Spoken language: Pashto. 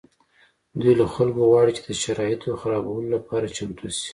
دوی له خلکو غواړي چې د شرایطو د خرابولو لپاره چمتو شي